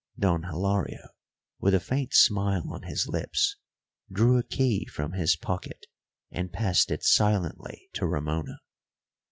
Don Hilario, with a faint smile on his lips, drew a key from his pocket and passed it silently to Ramona.